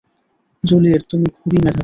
Juliet, তুমি খুবই মেধাবী।